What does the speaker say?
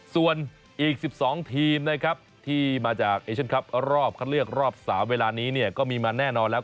ส่วนอีก๑๒ทีมนะครับที่มาจากเอเชียนคลับรอบคัดเลือกรอบ๓เวลานี้เนี่ยก็มีมาแน่นอนแล้ว